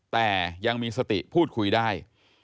แต่ยังมีสติพูดคุยได้